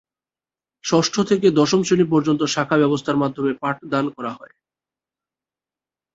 ষষ্ঠ থেকে দশম শ্রেণি পর্যন্ত শাখা ব্যবস্থার মাধ্যমে পাঠদান করা হয়ে থাকে।